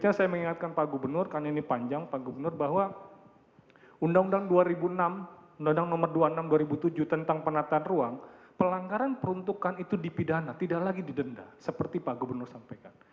saya mengingatkan pak gubernur karena ini panjang pak gubernur bahwa undang undang dua ribu enam undang undang nomor dua puluh enam dua ribu tujuh tentang penataan ruang pelanggaran peruntukan itu dipidana tidak lagi didenda seperti pak gubernur sampaikan